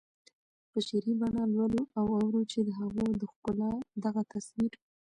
په شعري بڼه لولو او اورو چې د هغوی د ښکلا دغه تصویر